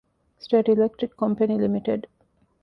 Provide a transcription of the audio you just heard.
ސްޓޭޓް އިލެކްޓްރިކް ކޮމްޕެނީ ލިމިޓެޑް.